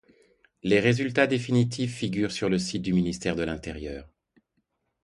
Les résultats définitifs figurent sur le site du ministère de l'Intérieur.